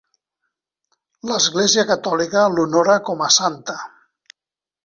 L'Església Catòlica l'honora com a santa.